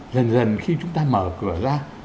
dần dần khi chúng ta mở cửa ra